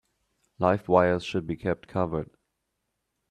Live wires should be kept covered.